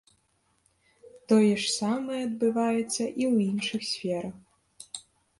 Тое ж самае адбываецца і ў іншых сферах.